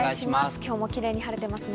今日もキレイに晴れていますね。